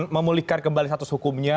memulihkan kembali status hukumnya